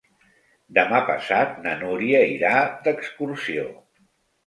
Demà passat na Núria irà d'excursió.